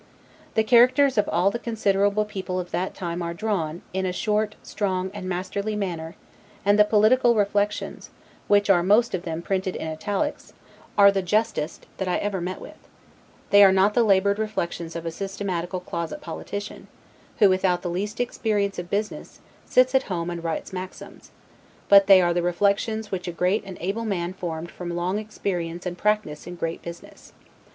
The characters of all the considerable people of that time are drawn, in a short, strong, and masterly manner; and the political reflections, which are most of them printed in italics, are the justest that ever I met with: they are not the labored reflections of a systematical closet politician, who, without the least experience of business, sits at home and writes maxims; but they are the reflections which a great and able man formed from long experience and practice in great business.